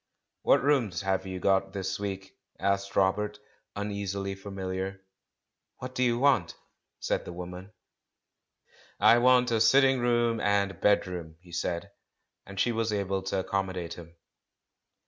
"What rooms have you got this week?" asked Robert, uneasily familiar. "What do you want?" said the woman. S98 THE MAN WHO UNDERSTOOD WOMEN "I want a sitting room and bedroom," he said. And she was able to accommodate him.